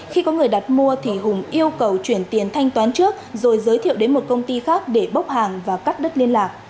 khi có người đặt mua thì hùng yêu cầu chuyển tiền thanh toán trước rồi giới thiệu đến một công ty phát triển